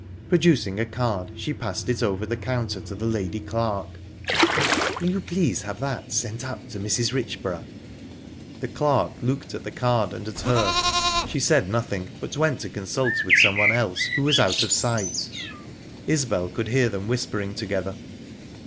Producing a card, she passed it over the counter to the lady clerk. "Will you please have that sent up to Mrs. Richborough?" The clerk looked at the card, and at her. She said nothing, but went to consult with someone else, who was out of sight; Isbel could hear them whispering together.